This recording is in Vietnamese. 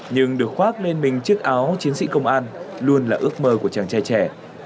nhưng được khoác lên mình chiếc áo chiến sĩ công an luôn là ước mơ của chàng trai trẻ